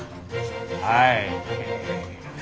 はい。